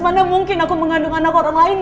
mana mungkin aku mengandung anak orang lain